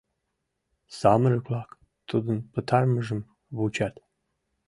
Самырык-влак тудын пытарымыжым вучат.